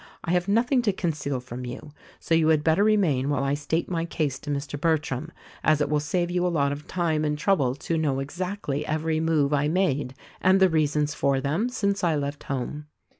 I have nothing to conceal from you — so you had better remain while I state my case to Mr. Bertram, as it will save you a lot of time and trouble to know exactly every move I made — and the reasons for them — since I left home."